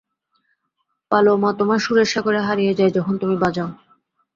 Paloma তোমার সুরের সাগরে হারিয়ে যায়, যখন তুমি বাজাও।